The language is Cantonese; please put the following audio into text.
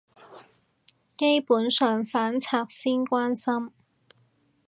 基本上反賊先關心